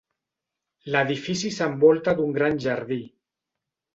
L'edifici s'envolta d'un gran jardí.